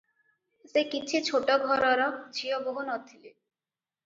ସେ କିଛି ଛୋଟ ଘରର ଝିଅ ବୋହୂ ନ ଥିଲେ ।